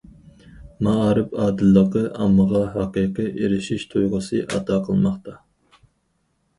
مائارىپ ئادىللىقى ئاممىغا ھەقىقىي ئېرىشىش تۇيغۇسى ئاتا قىلماقتا.